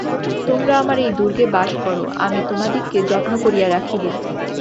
তোমারা আমার এই দুর্গে বাস করো, আমি তোমাদিগকে যত্ন করিয়া রাখিব।